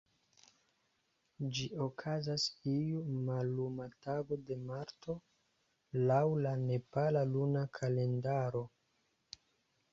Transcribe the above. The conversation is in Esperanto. Ĝi okazas iu malluma tago de marto, laŭ la nepala luna kalendaro.